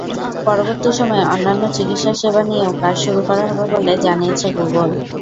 পরবর্তী সময়ে অন্যান্য চিকিৎসাসেবা নিয়েও কাজ শুরু করা হবে বলে জানিয়েছে গুগল।